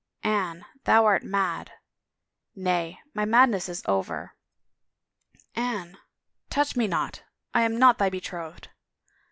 " Anne, thou art mad." " Nay, my madness is over." " Anne —"" Touch me not. I am not thy betrothed."